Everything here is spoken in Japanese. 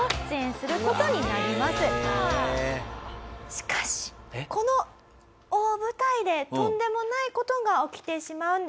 しかしこの大舞台でとんでもない事が起きてしまうんです。